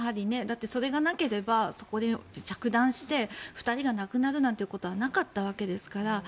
それがなければ、着弾して２人が亡くなるなんてことはなかったわけですから。